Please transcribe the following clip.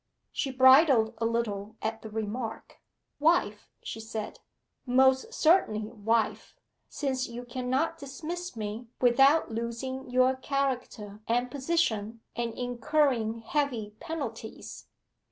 She bridled a little at the remark. 'Wife,' she said, 'most certainly wife, since you cannot dismiss me without losing your character and position, and incurring heavy penalties.